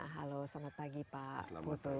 halo selamat pagi pak putu